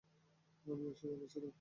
আমিও সেখানে ছিলাম!